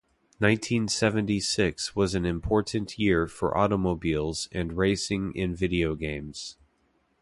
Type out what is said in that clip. Nineteen seventy-six was an important year for automobiles and racing in video games.